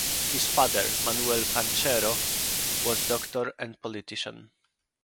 His father, Manuel Pacheco, was doctor and politician.